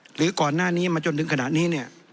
หรือก่อนหน้านี้มาจนถึงขณะนี้เนี่ย